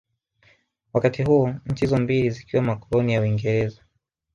Wakati huo nchi hizo mbili zikiwa makoloni ya Uingereza